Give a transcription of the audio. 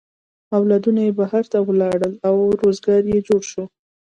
اولادونه یې بهر ته ولاړل او روزگار یې جوړ شو.